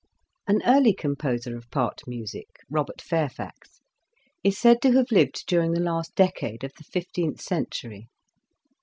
An early composer of part music, Robert Fairfax, is said to have lived during the last decade of the fifteenth century.